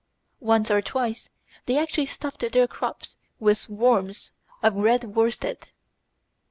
Once or twice they actually stuffed their crops with "worms" of red worsted!